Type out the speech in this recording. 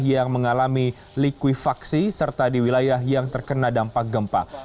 yang mengalami likuifaksi serta di wilayah yang terkena dampak gempa